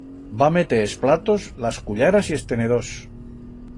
Va meter es platos, las cullaras y es tenedors.